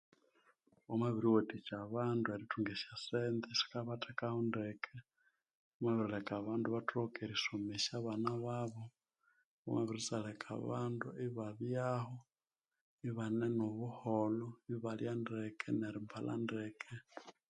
Thwamabiriwathikya abandu erithunga esya sente esikabathekaho ndeke lyamabirileka abandu ibathoka erisomesya abana babo lyamabithasyalela abandu ibabyaho ibane nobuholho ibalya ndeke nerimbalha ndeke.